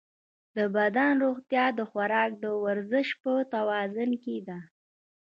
د بدن روغتیا د خوراک او ورزش په توازن کې ده.